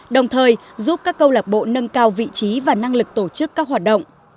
đồng thời giúp các câu lạc bộ nâng cao vị trí và năng lực tổ chức các hoạt động